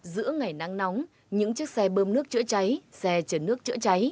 giữa ngày nắng nóng những chiếc xe bơm nước chữa cháy xe chấn nước chữa cháy